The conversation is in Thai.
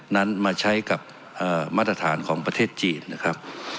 นั้นมาใช้กับมาตรฐานของประเทศจีนนะครับ